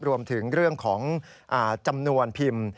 รวมถึงเรื่องของจำนวนพิมพ์